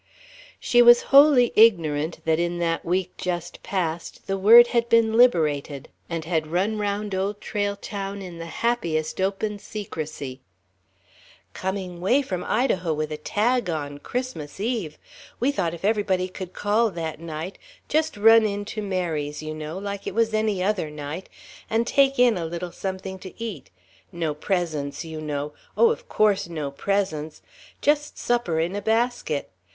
She was wholly ignorant that in that week just passed the word had been liberated and had run round Old Trail Town in the happiest open secrecy: "... coming way from Idaho, with a tag on, Christmas Eve. We thought if everybody could call that night just run into Mary's, you know, like it was any other night, and take in a little something to eat no presents, you know ... oh, of course, no presents! Just supper, in a basket.